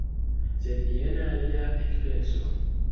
Sed jen alia ekpenso: